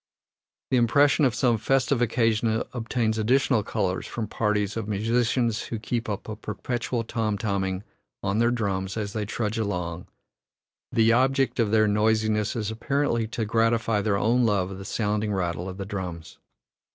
The impression of some festive occasion obtains additional color from parties of musicians who keep up a perpetual tom tom ing on their drums as they trudge along; the object of their noisiness is apparently to gratify their own love of the sounding rattle of the drums.